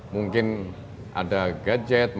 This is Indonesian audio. mungkin ada gadget